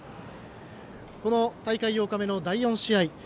この大会８日目の第４試合。